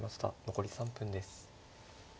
残り３分です。